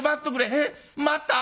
「えっ『待った』？